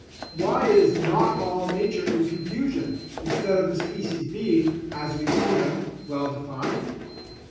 Why is not all nature in confusion, instead of the species being, as we see them, well defined?